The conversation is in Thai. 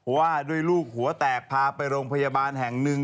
ว่าด้วยลูกหัวแตกพาไปโรงพยาบาลแห่งหนึ่ง